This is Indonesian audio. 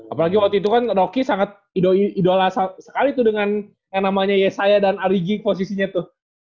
apalagi waktu itu kan rocky sangat idola sekali tuh dengan yang namanya yesaya dan arigi posisinya tuh